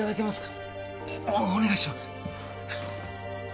お願いします。